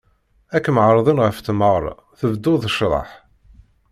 Ar kem-ɛeṛḍen ɣer tmeɣṛa, tebduḍ ccḍeḥ!